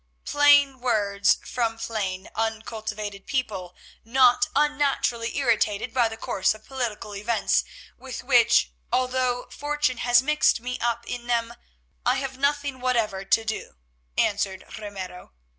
"Plain words from plain, uncultivated people, not unnaturally irritated by the course of political events with which, although Fortune has mixed me up in them, I have nothing whatever to do," answered Ramiro.